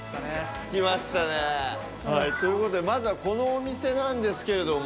着きましたね。ということでまずはこのお店なんですけれども。